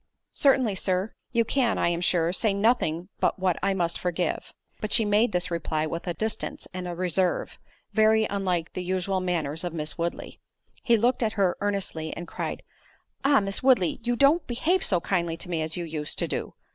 "Certainly, Sir. You can, I am sure, say nothing but what I must forgive." But she made this reply with a distance and a reserve, very unlike the usual manners of Miss Woodley. He looked at her earnestly and cried, "Ah! Miss Woodley, you don't behave so kindly to me as you used to do!"